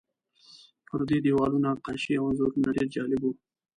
پر دې دیوالونو نقاشۍ او انځورونه ډېر جالب وو.